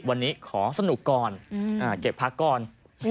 วันนี้ขอสนุกก่อนเก็บพักก่อน